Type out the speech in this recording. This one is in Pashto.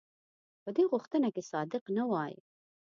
په دې غوښتنه کې صادق نه وای.